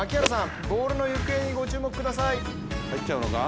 ボールの行方にご注目ください。